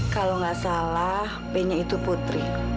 kalau gak salah b nya itu putri